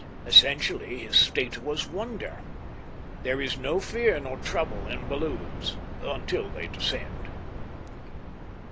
Essentially his state was wonder. There is no fear nor trouble in balloons until they descend.